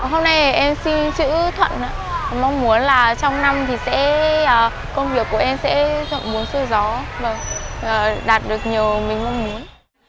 hôm nay thì em xin chữ thuận mong muốn là trong năm thì công việc của em sẽ rộng bốn xuôi gió đạt được nhiều mình mong muốn